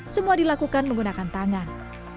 semua dilakukan menggunakan barang